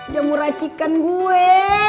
jamu racikan gue